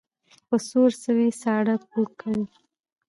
ـ په سور سوى، ساړه پو کوي.